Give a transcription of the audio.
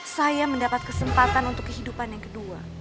saya mendapat kesempatan untuk kehidupan yang kedua